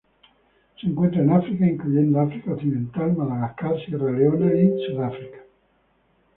Se encuentra en África, incluyendo África occidental, Madagascar, Sierra Leona y Sudáfrica.